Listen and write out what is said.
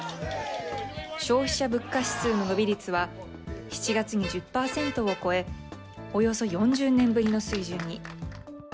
消費者物価指数の伸び率は７月に１０％を超え、およそ４０年ぶりの水準に。